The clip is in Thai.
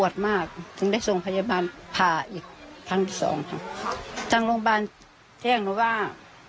ทางโรงพยาบาลแจ้งหนูว่า